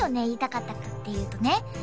言いたかったかっていうとね